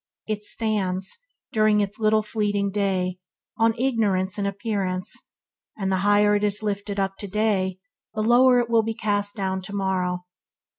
It stands, during its little fleeting day, on ignorance and appearance, and the higher it is lifted up today the lower it will be cast down tomorrow.